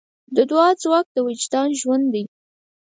د دعا ځواک د وجدان ژوند دی.